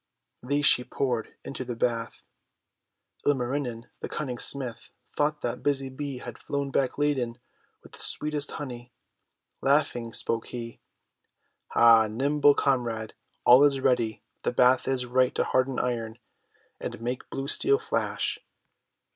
These she poured into the bath. Ilmarinen the Cunning Smith thought that Busy Bee had flown back laden with the sweetest honey. Laughing, spoke he: — "Ah, nimble comrade, all is ready; the bath is right to harden Iron, and make the blue Steel flash!"